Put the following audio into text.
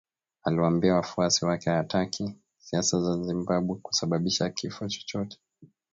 Aliwaambia wafuasi wake hataki siasa za Zimbabwe kusababisha kifo chochote